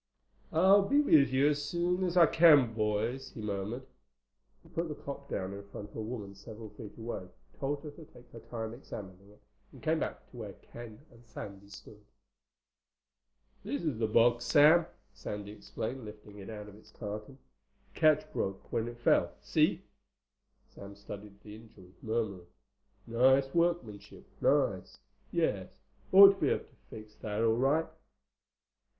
"I'll be with you as soon as I can, boys," he murmured. He put the clock down in front of a woman several feet away, told her to take her time examining it, and came back to where Ken and Sandy stood. "This is the box, Sam," Sandy explained, lifting it out of its carton. "The catch broke when it fell. See?" Sam studied the injury, murmuring, "Nice workmanship. Nice. Yes—ought to be able to fix that all right."